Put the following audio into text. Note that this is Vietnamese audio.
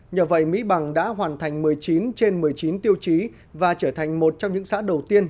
nhờ vậy mỹ bằng đã hoàn thành một mươi chín trên một mươi chín tiêu chí và trở thành một trong những xã đầu tiên